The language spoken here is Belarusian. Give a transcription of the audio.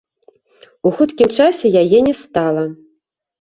У хуткім часе яе не стала.